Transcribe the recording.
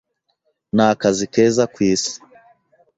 Nakazi keza kwisi!